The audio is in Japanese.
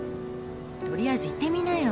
取りあえず行ってみなよ。